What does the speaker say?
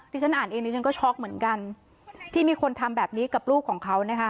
ที่ฉันอ่านเองดิฉันก็ช็อกเหมือนกันที่มีคนทำแบบนี้กับลูกของเขานะคะ